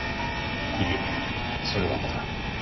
いえそれはまだ。